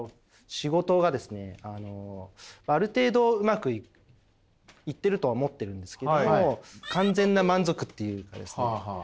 仕事がですねある程度うまくいってるとは思ってるんですけど完全な満足っていうかですね